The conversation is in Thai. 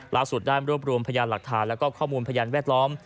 ได้รวบรวมพยานหลักฐานแล้วก็ข้อมูลพยานแวดล้อม